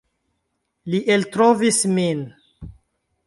Li eltrovis min.